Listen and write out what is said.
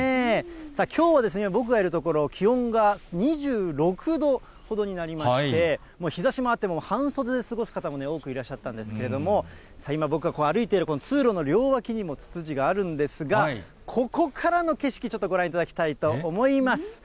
きょうは僕がいる所、気温が２６度ほどになりまして、もう日ざしもあって、半袖で過ごす方も多くいらっしゃったんですけれども、今、僕がこう歩いている通路の両脇にも、ツツジがあるんですが、ここからの景色、ちょっとご覧いただきたいと思います。